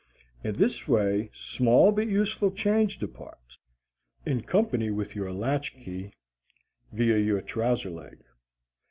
In this way small but useful change departs, in company with your latch key, via your trouser leg.